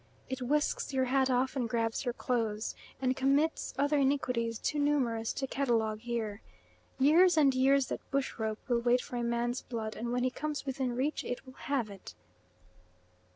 It whisks your hat off and grabs your clothes, and commits other iniquities too numerous to catalogue here. Years and years that bush rope will wait for a man's blood, and when he comes within reach it will have it.